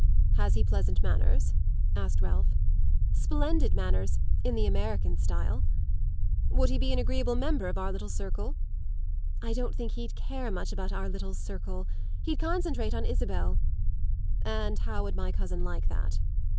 "Has he pleasant manners?" asked Ralph. "Splendid manners in the American style." "Would he be an agreeable member of our little circle?" "I don't think he'd care much about our little circle. He'd concentrate on Isabel." "And how would my cousin like that?"